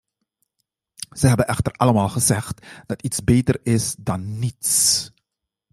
Zij hebben echter allemaal gezegd, dat iets beter is dan niets.